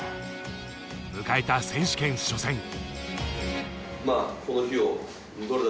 迎えた選手権初戦。